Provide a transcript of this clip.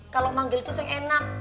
kalo manggil tuh seng enak